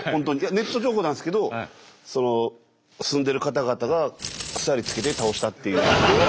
ネット情報なんですけど住んでる方々が鎖つけて倒したっていう。